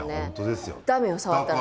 ダメよ触ったら。